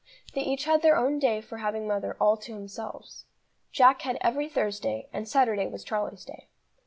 They each had their own day for having mother all to themselves. Jack had every Thursday, and Saturday was Charlie's day.